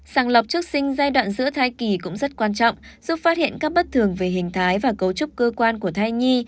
sàng lọc trước sinh giai đoạn giữa thai kỳ cũng rất quan trọng giúp phát hiện các bất thường về hình thái và cấu trúc cơ quan của thai nhi